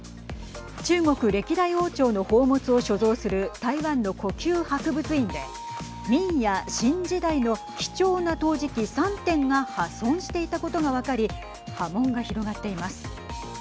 中国歴代王朝の宝物を所蔵する台湾の故宮博物院で明や清時代の貴重な陶磁器３点が破損していたことが分かり波紋が広がっています。